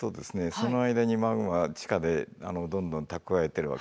その間にマグマが地下でどんどん蓄えてるわけですね。